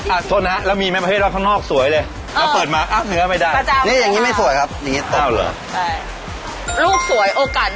อ่ะโทษนะครับแล้วมีม้ำเผ็ดทั้งนอกสวยเลย